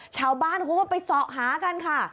ชาวบ้านคุณพวกเขาไปสอบหากันค่ะ